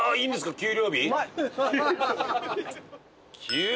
給料日？